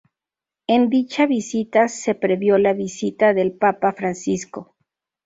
En dicha visita se previo la visita del papa Francisco.